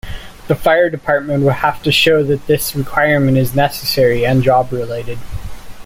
The fire department would have to show that this requirement is necessary and job-related.